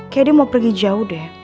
kayak dia mau pergi jauh deh